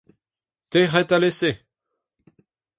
Tec'hit alese !